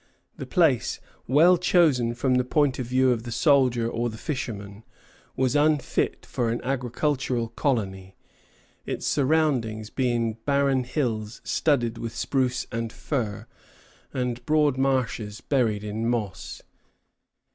The place, well chosen from the point of view of the soldier or the fisherman, was unfit for an agricultural colony, its surroundings being barren hills studded with spruce and fir, and broad marshes buried in moss.